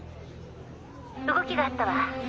動きがあったわ。